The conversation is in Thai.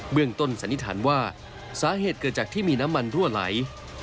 เมืองต้นสันนิษฐานว่าสาเหตุเกิดจากที่มีน้ำมันรั่วไหล